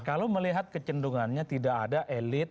kalau melihat kecenderungannya tidak ada elit